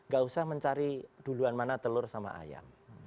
gak usah mencari duluan mana telur sama ayam